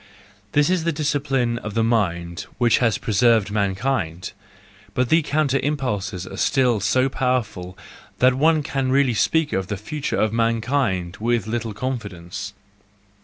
This is the discipline of the mind which has preserved mankind;—but the counter impulses are still so powerful that one can really speak of the future of mankind with little confidence.